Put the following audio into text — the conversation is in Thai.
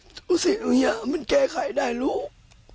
ทุกสิ่งทุกอย่างมันแก้ไขได้ลูก